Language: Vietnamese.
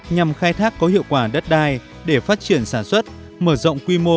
nhằm khai thác có hiệu quả đất đai để phát triển sản xuất mở rộng quy mô